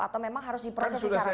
atau memang harus diproses secara